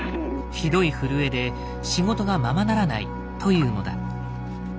ひどい震えで仕事がままならないというのだ。